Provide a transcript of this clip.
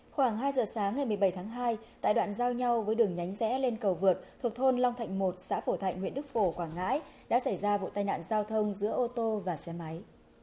khoảng hai giờ sáng ngày một mươi bảy tháng hai tại đoạn giao nhau với đường nhánh rẽ lên cầu vượt thuộc thôn long thạnh một xã phổ thạnh huyện đức phổ quảng ngãi đã xảy ra vụ tai nạn giao thông giữa ô tô và xe máy